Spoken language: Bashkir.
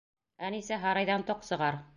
Әнисә, һарайҙан тоҡ сығар!